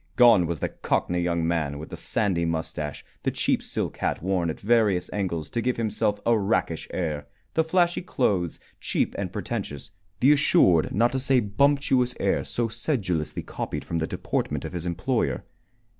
Gone was the Cockney young man with the sandy moustache, the cheap silk hat worn at various angles to give himself a rakish air, the flashy clothes, cheap and pretentious, the assured, not to say bumptious air so sedulously copied from the deportment of his employer.